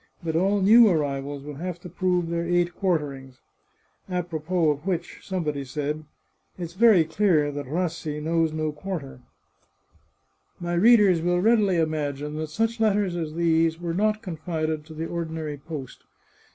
But all new arrivals will have to prove their eight quarterings. A propos of which somebody said, ' It's very clear that Rassi knows no quar ter/ " My readers will readily imagine that such letters as these were not confided to the ordinary post.